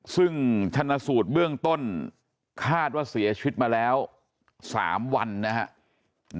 ซึ่งชนะสูตรเบื้องต้นคาดว่าเสียชีวิตมาแล้ว๓วันนะครับ